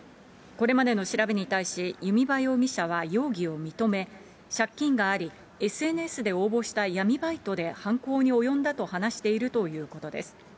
これまでの調べに対し、弓場容疑者は容疑を認め、借金があり、ＳＮＳで応募した闇バイトで犯行に及んだと話しているということです。